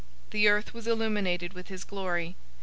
The earth was illuminated with his glory.